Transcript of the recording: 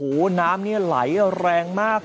นี่ครับน้ำนี้ไหลแรงมาก